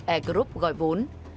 air group gọi vốn